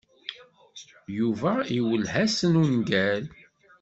Yuba iwelleh-asen ungal.